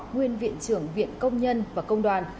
nguyên viện trưởng viện công nhân và công đoàn